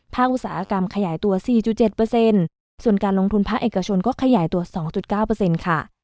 อุตสาหกรรมขยายตัว๔๗ส่วนการลงทุนภาคเอกชนก็ขยายตัว๒๙ค่ะ